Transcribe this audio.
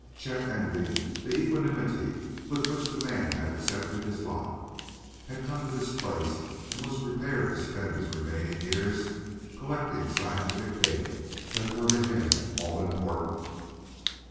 Chet envied the equanimity with which the man had accepted his lot, had come to this place and was prepared to spend his remaining years collecting scientific data that were to him all important.